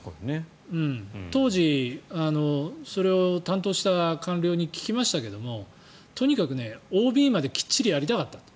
当時、それを担当した官僚に聞きましたけどとにかくＯＢまできっちりやりたかったと。